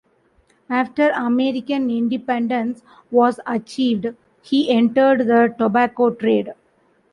After American independence was achieved, he entered the tobacco trade.